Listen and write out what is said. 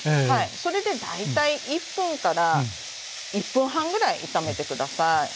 それで大体１分から１分半ぐらい炒めて下さい。